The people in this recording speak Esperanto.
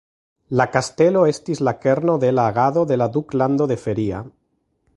La kastelo estis la kerno de la agado de la Duklando de Feria.